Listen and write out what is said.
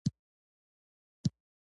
اجمل خټک د پښتو ژبې ښه لیکوال او شاعر وو